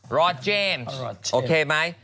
รอเจมส์โอเคไหม